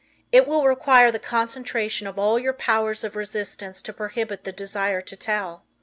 It will require the concentration of all your powers of resistance to prohibit the desire to tell.